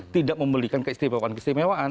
tidak membelikan keistimewaan kestimewaan